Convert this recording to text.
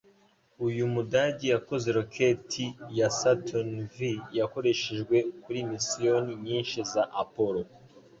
Uyu mudage yakoze roketi ya Saturn V yakoreshejwe kuri misiyoni nyinshi za Apollo